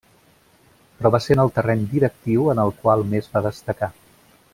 Però va ser en el terreny directiu en el qual més va destacar.